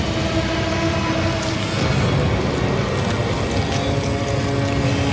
ผมกำลังคิดถึงอยู่พอดีเลยอ่ะ